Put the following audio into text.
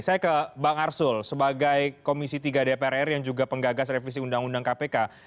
saya ke bang arsul sebagai komisi tiga dprr yang juga penggagas revisi undang undang kpk